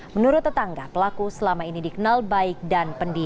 menurut tetangga pelaku selama ini dikenal baik dan pendiri